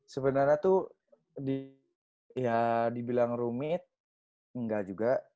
sebenarnya tuh ya dibilang rumit enggak juga